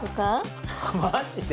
マジで？